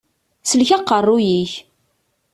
Sellek aqeṛṛuy-ik!